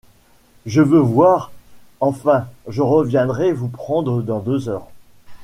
Je veux voir… enfin, je reviendrai vous prendre dans deux heures